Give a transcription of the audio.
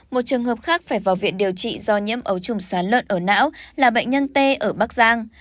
một trường hợp khác phải vào viện điều trị do nhiễm ấu trùng sán lợn ở não là bệnh nhân t ở bắc giang